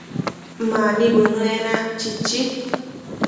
Mani bënë enac, chichi